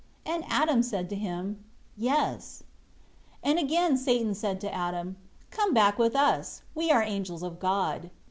And Adam said to him, "Yes." 10 Again Satan said to Adam, "Come back with us; we are angels of God.